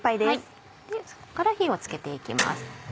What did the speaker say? そこから火を付けて行きます。